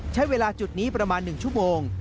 ใช้เวลาจุดนี้ประมาณ๑ชั่วโมง